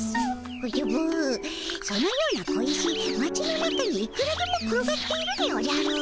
おじゃぶそのような小石町の中にいくらでも転がっているでおじゃる。